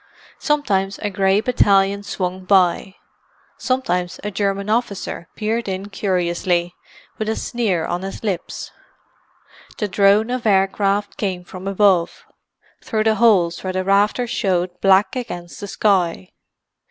Sometimes a grey battalion swung by; sometimes a German officer peered in curiously, with a sneer on his lips. The drone of aircraft came from above, through the holes where the rafters showed black against the sky.